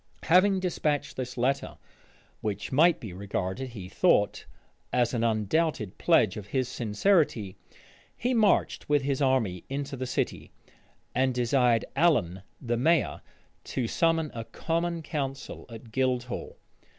Having despatched this letter, which might be regarded, he thought, as an undoubted pledge of his sincerity, he marched with his army into the city, and desired Allen, the mayor, to summon a common council at Guildhall.